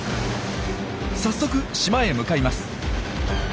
早速島へ向かいます。